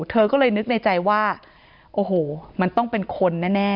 เธอก็เลยนึกในใจว่าโอ้โหมันต้องเป็นคนแน่